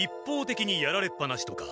てきにやられっぱなしとか。